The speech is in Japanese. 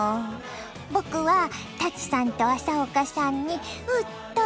僕は舘さんと浅丘さんにうっとり！